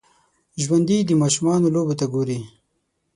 ژوندي د ماشومانو لوبو ته ګوري